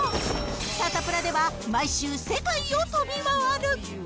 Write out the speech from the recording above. サタプラでは毎週、世界を飛び回る。